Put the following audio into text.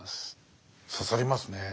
刺さりますね。